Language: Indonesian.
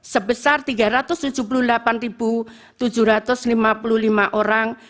sebesar tiga ratus tujuh puluh delapan tujuh ratus lima puluh lima orang